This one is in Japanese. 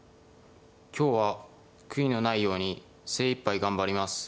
今日は悔いのないように精いっぱい頑張ります。